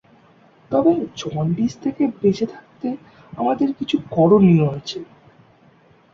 তবে জন্ডিস থেকে বেঁচে থাকতে আমাদের কিছু করণীয় আছে।